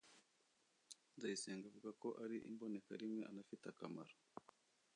Nzayisenga avuga ko ari imbonekarimwe anafite akamaro